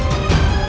saya merasa rusak